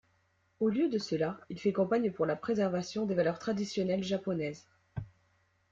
Au lieu de cela, il fait campagne pour la préservation des valeurs traditionnelles japonaises.